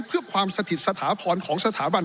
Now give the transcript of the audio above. เพื่อความสถิตสถาพรของสถาบัน